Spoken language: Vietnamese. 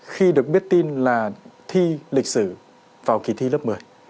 khi được biết tin là thi lịch sử vào kỳ thi lớp một mươi